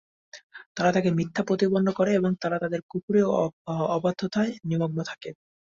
তারা তাকে মিথ্যা প্রতিপন্ন করে এবং তারা তাদের কুফরী ও অবাধ্যতায় নিমগ্ন থাকে।